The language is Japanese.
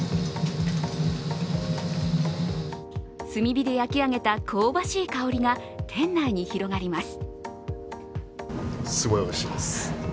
炭火で焼き上げた香ばしい香りが店内に広がります。